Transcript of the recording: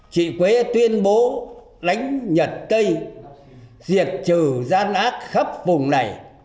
chị quế tuyên bố đánh nhật tây diệt trừ gian ác khắp vùng này